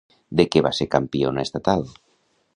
De què va ser campiona estatal?